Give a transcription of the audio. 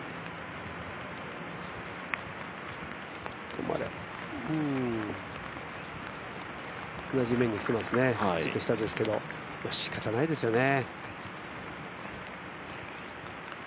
止まれ、同じ面に来てますね、ちょっと下ですけど、しかたないですよね。